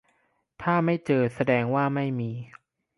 ถ้าไม่เจอแสดงว่าไม่มี